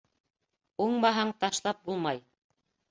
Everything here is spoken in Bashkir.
Уңмаһаң, ташлап булмай.